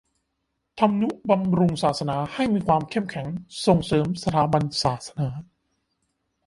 ทำนุบำรุงศาสนาให้มีความเข้มแข็ง ส่งเสริมสถาบันศาสนา